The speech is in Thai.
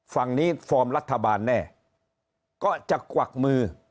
ฝั่งนี้ฟอร์มรัฐบาลแน่ก็จะกวักมือ